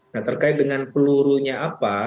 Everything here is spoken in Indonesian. nah terkait dengan pelurunya apa